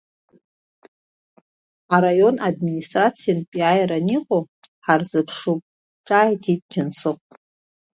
Араион администрациаҿынтә иааираны иҟоу ҳрызԥшуп, ҿааиҭит Џьансыхә.